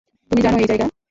তুমি জানো এই জায়গা?